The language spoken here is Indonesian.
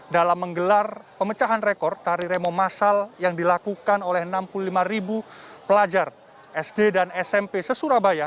dalam menggelar pemecahan rekor tari remo masal yang dilakukan oleh enam puluh lima ribu pelajar sd dan smp se surabaya